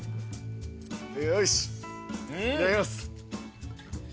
よしいただきます。